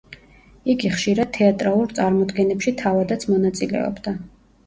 იგი ხშირად თეატრალურ წარმოდგენებში თავადაც მონაწილეობდა.